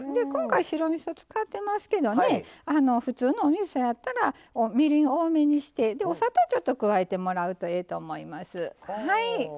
今回白みそ使ってますけどね普通のおみそやったらみりん多めにしてでお砂糖ちょっと加えてもらうとええと思います。